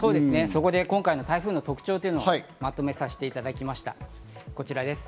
今回の台風の特徴をまとめさせていただきました、こちらです。